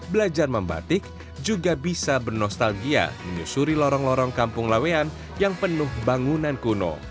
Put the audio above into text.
belajar membatik juga bisa bernostalgia menyusuri lorong lorong kampung lawean yang penuh bangunan kuno